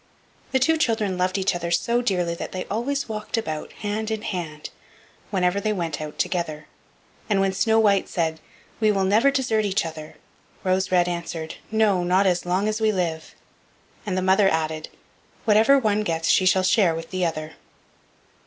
The two children loved each other so dearly that they always walked about hand in hand whenever they went out together, and when Snow white said, "We will never desert each other," Rose red answered: "No, not as long as we live"; and the mother added: "Whatever one gets she shall share with the other."